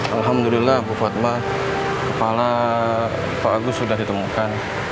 alhamdulillah bu fatma kepala pak agus sudah ditemukan